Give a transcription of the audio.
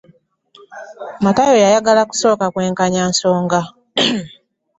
Matayo yayagala kusooka kwekkaanya nsonga.